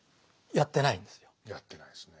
やってないですねぇ。